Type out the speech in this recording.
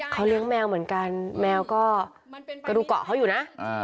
เขาเลี้ยงแมวเหมือนกันแมวก็กระดูกเกาะเขาอยู่นะ